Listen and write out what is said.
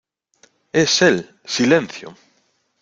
¡ Es él! ¡ silencio !